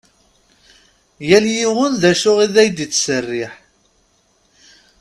Yal yiwen d acu i ad ittserriḥ.